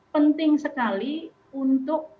penting sekali untuk